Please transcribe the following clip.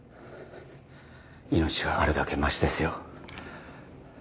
命があるだけマシですよ